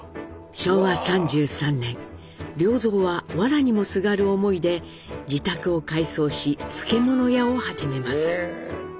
昭和３３年良三はわらにもすがる思いで自宅を改装し漬物屋を始めます。